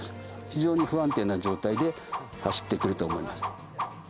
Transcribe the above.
非常に不安定な状態で走ってくると思います。